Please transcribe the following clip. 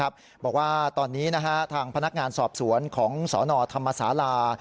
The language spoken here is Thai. บอกว่าตอนนี้ทางพนักงานสอบสวนของสนธรรมศาลา